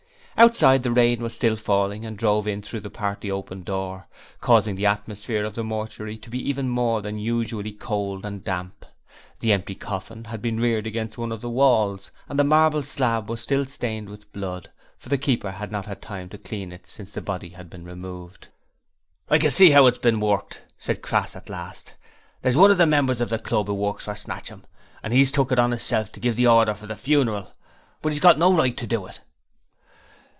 Outside, the rain was still falling and drove in through the partly open door, causing the atmosphere of the mortuary to be even more than usually cold and damp. The empty coffin had been reared against one of the walls and the marble slab was still stained with blood, for the keeper had not had time to clean it since the body had been removed. 'I can see 'ow it's been worked,' said Crass at last. 'There's one of the members of the club who works for Snatchum, and 'e's took it on 'isself to give the order for the funeral; but 'e's got no right to do it.'